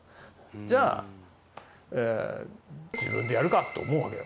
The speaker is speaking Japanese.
じゃあ自分でやるかと思うわけよ。